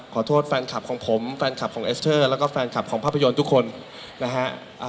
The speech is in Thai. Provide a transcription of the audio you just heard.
ขอโทษแฟนคลับของผมแฟนคลับของเอสเตอร์แล้วก็แฟนคลับของภาพยนตร์ทุกคนนะฮะ